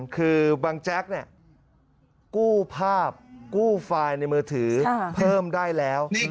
คือบางแจ๊กกู้ภาพกู้ไฟล์ในมือถือเพิ่มได้แล้ว